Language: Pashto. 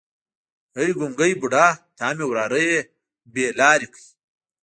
ای ګونګی بوډا تا مې وراره بې لارې کړی.